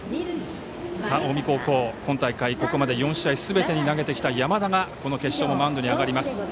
近江高校、ここまで４試合すべて投げてきた山田がこの決勝のマウンドに上がります。